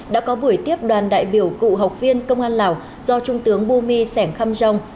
đã có buổi tiếp đoàn đại biểu cụ học viên công an lào do trung tướng bù mi sẻng khăm rồng